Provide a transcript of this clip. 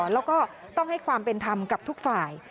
แล้วก็ต้องให้ความเป็นธรรมกับทุกฝ่าย